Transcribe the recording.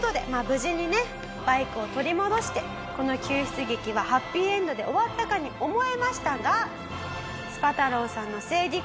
無事にねバイクを取り戻してこの救出劇はハッピーエンドで終わったかに思えましたが。